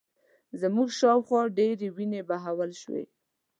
زموږ شا و خوا ډېرې وینې بهول شوې